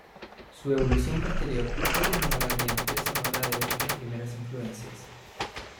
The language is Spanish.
Su evolución posterior no eliminó la brillantez sonora de estas primeras influencias.